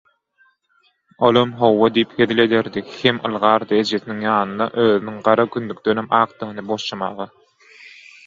Olam «Hawa» diýip hezil ederdi hem ylgardy ejesiniň ýanyna özüniň gara kündükdenem akdygyny buşlamaga.